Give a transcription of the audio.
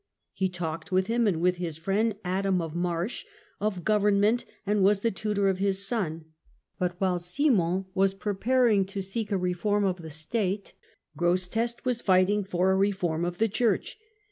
He talked with him, and with his friend Adam of Marsh, of government, and was the tutor of his son. But while Simon was preparing to seek a reform of the 68 THE WAR IN GASCONY. State, Grosseteste was fighting for a refonn of the church.